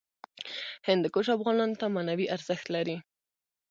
هندوکش افغانانو ته معنوي ارزښت لري.